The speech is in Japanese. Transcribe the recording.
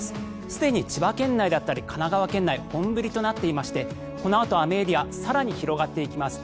すでに千葉県内だったり神奈川県内本降りになっていましてこのあと雨エリア更に広がっていきます。